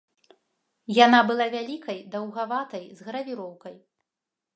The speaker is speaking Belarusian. Яна была вялікай, даўгаватай, з гравіроўкай.